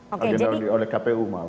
agenda yang ditetapkan oleh kpu